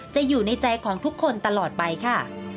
อยู่ในใจของทุกคนตลอดไปค่ะ